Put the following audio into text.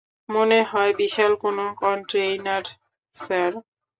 মনে হয় বিশাল কোনো কন্টেইনার, স্যার।